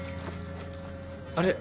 あれ？